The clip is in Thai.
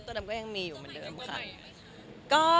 ดำก็ยังมีอยู่เหมือนเดิมค่ะ